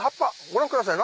ご覧ください